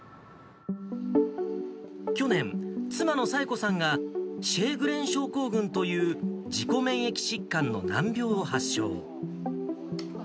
去年、妻の紗恵子さんがシェーグレン症候群という自己免疫疾患の難病を発症。